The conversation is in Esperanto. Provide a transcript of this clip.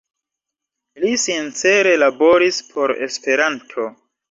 Li sincere laboris por Esperanto.